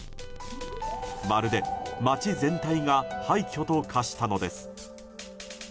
まるで街全体が廃墟と化したのです。